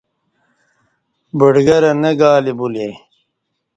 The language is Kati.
بڈگرہ نہ گالی بولے